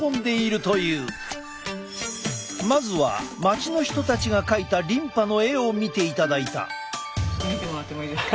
まずは街の人たちが描いたリンパの絵を見ていただいた。